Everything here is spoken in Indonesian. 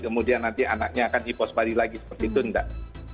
kemudian nanti anaknya akan hipospadi lagi seperti itu enggak